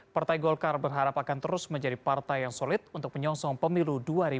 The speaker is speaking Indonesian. partai golkar berharap akan terus menjadi partai yang solid untuk menyongsong pemilu